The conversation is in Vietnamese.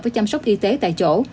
với chăm sóc y tế tại chỗ